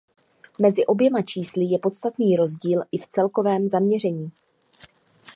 Mezi oběma čísly je podstatný rozdíl i v celkovém zaměření.